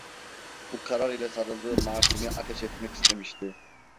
Bu karar ile sarıldığı martini ateş etmek istemişti.